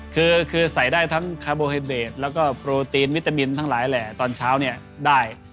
คือใส่ได้ทั้งคาร์โบไฮเบสแล้วก็โปรตีนวิตามินทั้งหลายแหล่ตอนเช้าเนี่ยได้